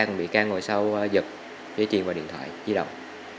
còn bị can ngồi sau giật chế truyền vào điện thoại di động